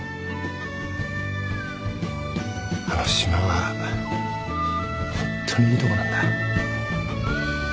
あの島はホントにいいとこなんだ。